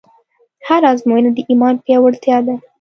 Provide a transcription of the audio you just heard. هره ازموینه د ایمان پیاوړتیا ده.